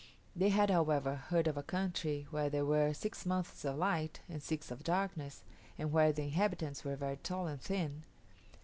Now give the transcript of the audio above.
They had, however, heard of a country where there were six months of light and six of darkness, and where the inhabitants were very tall and thin!